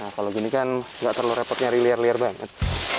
kalau gini kan nggak terlalu repot nyari liar liar banget